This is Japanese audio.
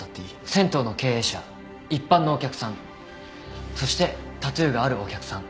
銭湯の経営者一般のお客さんそしてタトゥーがあるお客さん